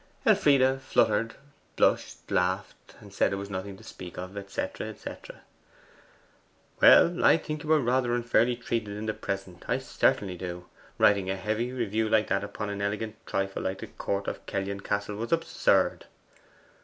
Elfride fluttered, blushed, laughed, said it was nothing to speak of, &c. &c. 'Well, I think you were rather unfairly treated by the PRESENT, I certainly do. Writing a heavy review like that upon an elegant trifle like the COURT OF KELLYON CASTLE was absurd.